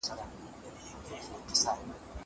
زه بايد سبزېجات جمع کړم.